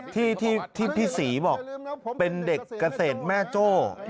ที่พี่ศรีบอกเป็นเด็กเกษตรแม่โจ้